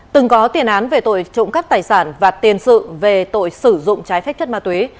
từng có tiền án về tội trộm cắp tài sản và tiền sự về tội sử dụng trái phép chất ma túy